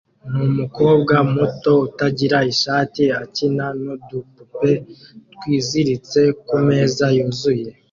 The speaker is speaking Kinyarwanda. numukobwa muto utagira ishati akina nudupupe twiziritse kumeza yuzuye